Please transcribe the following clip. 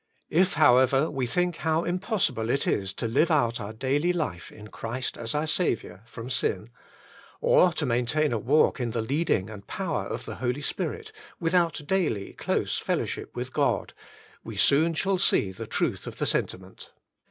If, however, we think how impossible it is to live out our daily life in Christ as our Saviour from sin, or to main tain a walk in the leading and power of the Holy Spirit, without daily, close fellowship with God, we soon shall see the truth of the sentiment.